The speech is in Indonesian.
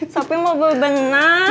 sopi mau berbenah